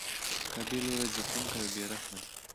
مقابل لوری ځپونکی او بې رحمه دی.